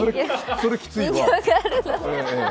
それきついわ。